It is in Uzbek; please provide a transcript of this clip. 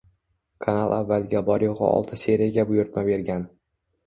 Kanal avvaliga bor yo‘g‘i olti seriyaga buyurtma bergan.